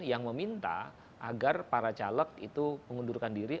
yang meminta agar para caleg itu mengundurkan diri